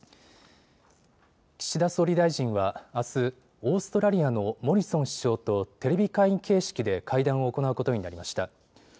岸田総理大臣はあす、オーストラリアのモリソン首相とテレビ会議形式で会談を行うことになりました。